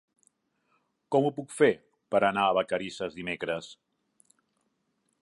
Com ho puc fer per anar a Vacarisses dimecres?